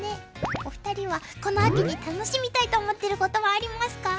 お二人はこの秋に楽しみたいと思ってることはありますか？